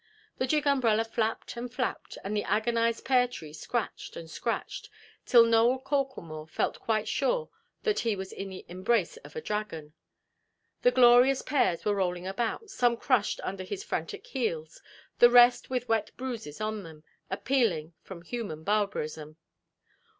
The gig–umbrella flapped and flapped, and the agonised pear–tree scratched and scratched, till Nowell Corklemore felt quite sure that he was in the embrace of a dragon. The glorious pears were rolling about, some crushed under his frantic heels, the rest with wet bruises on them, appealing from human barbarism.